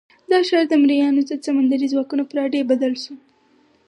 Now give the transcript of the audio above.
دا ښار د مریانو ضد سمندري ځواکونو پر اډې بدل شو.